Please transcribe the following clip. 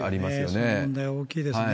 その問題は大きいですね。